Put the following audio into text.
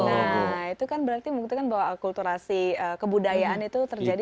nah itu kan berarti membuktikan bahwa akulturasi kebudayaan itu terjadi